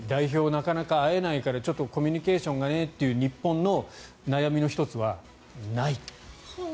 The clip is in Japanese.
なかなか会えないからちょっとコミュニケーションがねという日本の悩みの１つはないと。